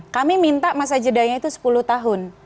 kami minta masa jedanya itu sepuluh tahun